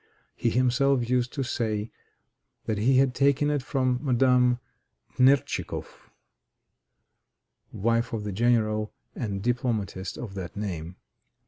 He himself used to say that he had taken it from Madame Tchnertichoff, wife of the general and diplomatist of that name.